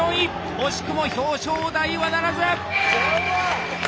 惜しくも表彰台はならず！